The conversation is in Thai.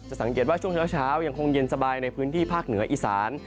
สังเกตว่าช่วงเช้ายังคงเย็นสบายในพื้นที่ภาคเหนืออีสาน